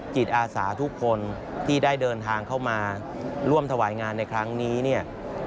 จิตอาสาทุกคนที่ได้เดินทางเข้ามาร่วมถวายงานในครั้งนี้เนี่ย